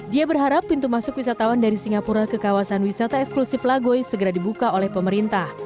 dia berharap pintu masuk wisatawan dari singapura ke kawasan wisata eksklusif lagoy segera dibuka oleh pemerintah